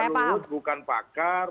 pak luhut bukan pakar